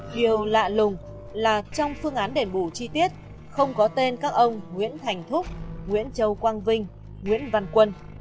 điều lạ lùng là trong phương án đền bù chi tiết không có tên các ông nguyễn thành thúc nguyễn châu quang vinh nguyễn văn quân